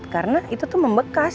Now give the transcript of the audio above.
karena itu tuh membekas